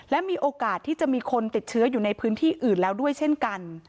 และมีโอกาสที่จะมีคนติดเชื้ออยู่ในพื้นที่อื่นแล้วด้วยเช่นกัน